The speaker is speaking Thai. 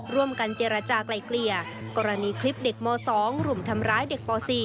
ร่วมกันเจรจากลายเกลี่ยกรณีคลิปเด็กม๒รุมทำร้ายเด็กป๔